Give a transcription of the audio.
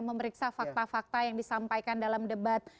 memeriksa fakta fakta yang disampaikan dalam debat